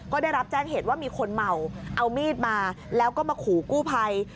ก็ได้รับแจ้งเหตุว่ามีคนเมาเอามีดมาแล้วก็มาขู่กู้ภัย